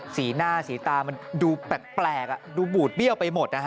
สีหน้าสีตามันดูแปลกดูบูดเบี้ยวไปหมดนะฮะ